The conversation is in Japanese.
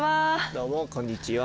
どうもこんにちは。